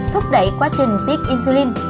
thúc đẩy quá trình tiết insulin